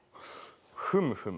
ふむふむ。